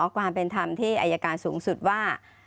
ความเป็นธรรมที่อายการสูงสุดว่า